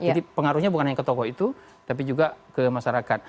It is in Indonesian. jadi pengaruhnya bukan hanya ke tokoh itu tapi juga ke masyarakat